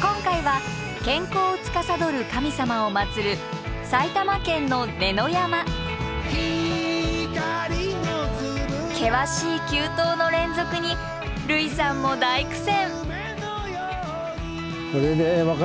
今回は健康をつかさどる神様を祭る埼玉県の険しい急登の連続に類さんも大苦戦。